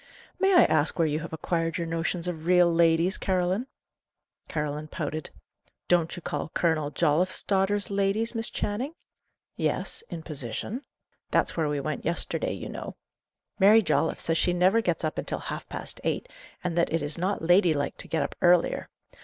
"May I ask where you have acquired your notions of 'real ladies,' Caroline?" Caroline pouted. "Don't you call Colonel Jolliffe's daughters ladies, Miss Channing?" "Yes in position." "That's where we went yesterday, you know. Mary Jolliffe says she never gets up until half past eight, and that it is not lady like to get up earlier.